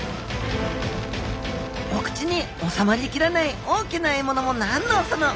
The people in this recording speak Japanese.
お口に収まりきらない大きな獲物も何のその！